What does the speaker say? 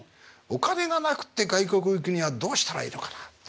お金がなくって外国行くにはどうしたらいいのかな。